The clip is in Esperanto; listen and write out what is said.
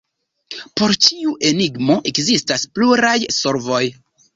Por ĉiu enigmo ekzistas pluraj solvoj.